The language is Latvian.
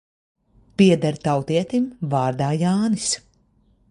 Pieder tautietim vārdā Jānis.